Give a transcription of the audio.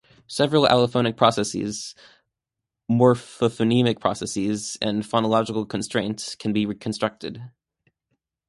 Several allophonic processes, morphophonemic processes, and phonological constraints can be reconstructed.